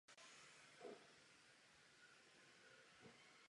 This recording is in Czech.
Pane poslanče Langu, německá agentura Treuhand udělala řadu pozitivních věcí.